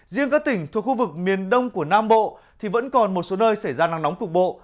riêng các tỉnh thuộc khu vực miền đông của nam bộ thì vẫn còn một số nơi xảy ra nắng nóng cục bộ